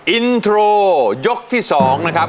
อินโทรยกที่๒นะครับ